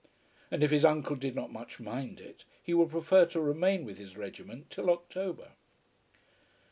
And if his uncle did not much mind it, he would prefer to remain with his regiment till October.